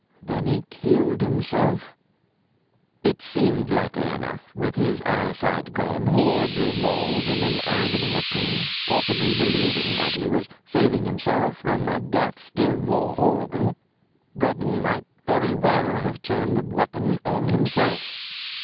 Then he killed him self It seemed likely enough, with his e3'esight gone, horribly mauled, in an agony of pain, possibly believing 184. THE GRAY CAT that he was saving himself from a death still more horrible, Breddon might very well have turned the weapon on himself.